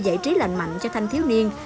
giải trí lành mạnh cho thanh thiếu niên